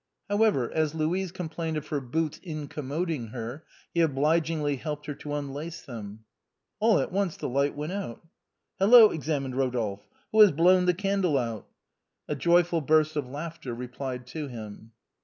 However, as Louise complained of her boots incommod ing her, he obligingly helped her to unlace them. All at once the light went out. " Hello !" exclaimed Eodolphe, " who has blown the candle out ?" A joyful burst of laughter replied to him.